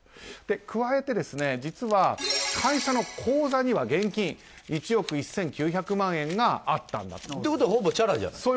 加えて実は、会社の口座には現金１億１９００万円がじゃあ、ほぼチャラじゃない。